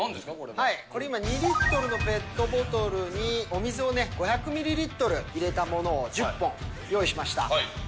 これ今２リットルのペットボトルにお水をね、５００ミリリットル入れたものを１０本用意しました。